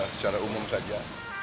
secara umum saja